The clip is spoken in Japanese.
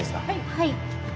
はい。